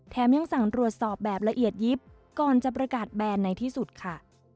ยังสั่งตรวจสอบแบบละเอียดยิบก่อนจะประกาศแบนในที่สุดค่ะ